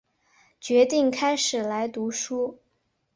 决定开始来读书